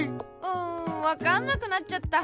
うんわかんなくなっちゃった。